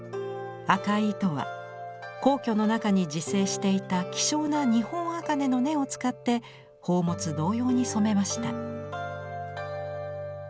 赤い糸は皇居の中に自生していた希少な日本茜の根を使って宝物同様に染めました。